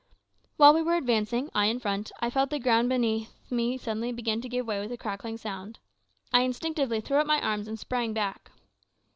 While we were advancing I in front I felt the ground beneath me suddenly begin to give way with a crackling sound. I instinctively threw up my arms and sprang back.